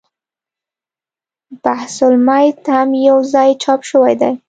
بحث المیت هم یو ځای چاپ شوی دی.